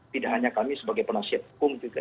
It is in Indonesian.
tidak hanya kami sebagai penasihat hukum juga